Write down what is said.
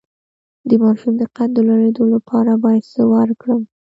د ماشوم د قد د لوړیدو لپاره باید څه ورکړم؟